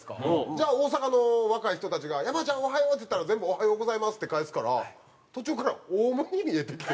じゃあ大阪の若い人たちが「山ちゃんおはよう」っつったら全部「おはようございます」って返すから途中から。